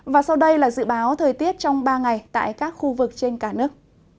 và sau đây là dự báo thời tiết trong ba ngày tại các khu vực trên cả nước